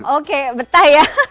oke betah ya